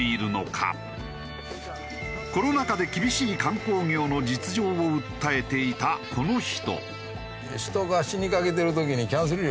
コロナ禍で厳しい観光業の実情を訴えていたこの人。